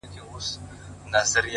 • ښکارېدی چي له وطنه لیري تللی,